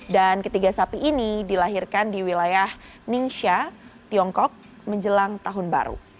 dan ketiga sapi ini dilahirkan di wilayah ningxia tiongkok menjelang tahun baru